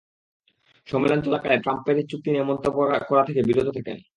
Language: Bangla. সম্মেলন চলাকালে ট্রাম্প প্যারিস চুক্তি নিয়ে মন্তব্য করা থেকে বিরত থাকেন।